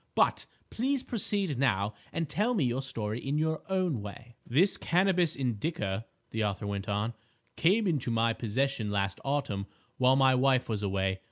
But, please proceed now and tell me your story in your own way." "This Cannabis indica," the author went on, "came into my possession last autumn while my wife was away.